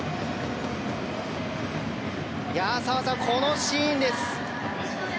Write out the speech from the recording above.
澤さん、このシーンです。